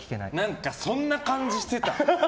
何かそんな感じしてた。